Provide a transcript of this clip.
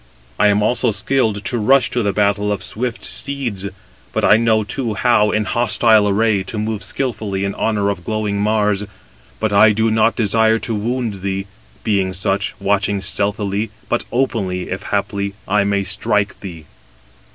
I am also skilled to rush to the battle of swift steeds. I know too, how, in hostile array, to move skilfully in honour of glowing Mars. But I do not desire to wound thee, being such, watching stealthily, but openly, if haply I may strike thee."